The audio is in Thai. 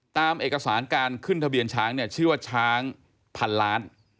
ตามเอกสารการขึ้นทะเบียนช้างเนี่ยชื่อว่าช้างพันล้าน